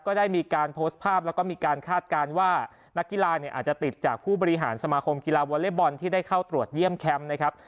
ก็ได้มีการโพสต์ภาพแล้วก็มีการคาดการณ์ว่านักกีฬาเนี่ยอาจจะติดจากผู้บริหารสมาคมกีฬาวอเล็กบอลที่ได้เข้าตรวจเยี่ยมแคมป์นะครับ